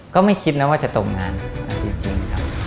ก็ไม่คิดนะว่าจะตกงานจริงครับ